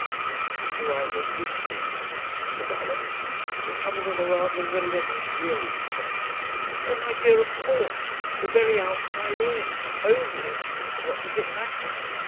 'It's all right when you speak,' said Alix. 'But some of them are rather the limit, really, mother.' 'Oh, my dear, of course. The very outside edge: over it. What does it matter?